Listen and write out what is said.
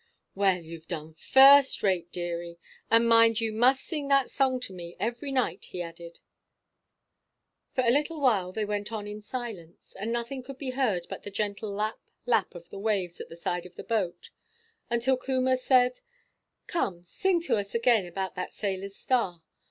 "Well, you've done first rate, deary; and mind, you must sing that song to me every night," he added. For a little while they went on in silence, and nothing could be heard but the gentle lap, lap of the waves at the side of the boat, until Coomber said: "Come, sing to us again about that sailor's star.